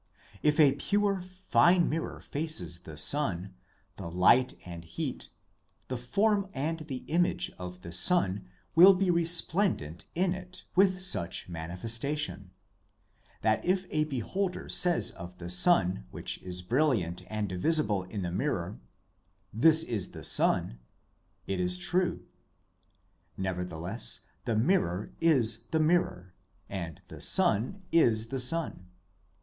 If a pure, fine mirror faces the sun, the light and heat, the form and the image of the sun will be resplendent in it with such manifestation, that if a beholder says of the sun which is brilliant and visible in the mirror :' This is the sun,' it is true. Nevertheless the mirror is the mirror, and the sun is Q 242 SOME ANSWERED QUESTIONS the sun.